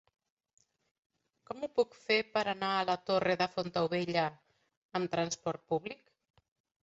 Com ho puc fer per anar a la Torre de Fontaubella amb trasport públic?